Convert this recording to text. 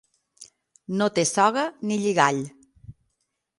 No té soga ni lligall.